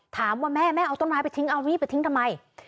ถามว่าแม่แม่เอาต้นไม้ไปทิ้งเอามีดไปทิ้งทำไม